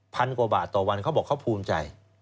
กว่าบาทต่อวันเขาบอกเขาภูมิใจ